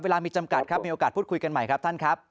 เวลามีจำกัดครับมีโอกาสพูดคุยกันใหม่ครับท่านครับ